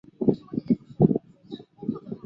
隆普尼厄人口变化图示